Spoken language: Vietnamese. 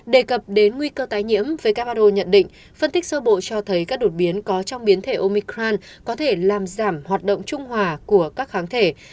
đề cập đến nguy cơ tái nhiễm who nhận định phân tích sơ bộ cho thấy các đột biến có trong biến thể omicran có thể làm giảm hoạt động trung hòa của các kháng thể